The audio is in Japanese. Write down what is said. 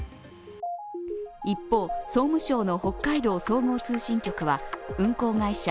一方、総務省の北海道総合通信局は運航会社